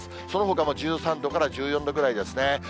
そのほかも１３度から１４度ぐらいですね。